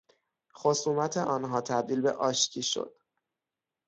خصومت آنها تبدیل به آشتی شد.